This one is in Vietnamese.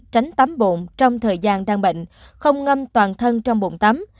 tránh tắm bộn trong thời gian đang bệnh không ngâm toàn thân trong bộn tắm